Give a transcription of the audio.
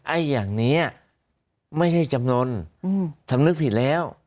ไอ้อย่างนี้ไม่ใช่จำนวนสำนึกผิดแล้ว